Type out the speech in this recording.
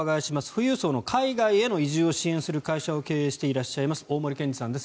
富裕層の海外への移住を支援する会社を経営していらっしゃいます大森健史さんです。